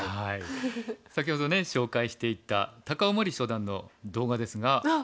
先ほどね紹介していた高雄茉莉初段の動画ですが。